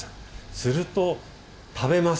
すると食べます。